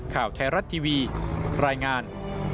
ข่าวไทยรัฐทีวีรายงาน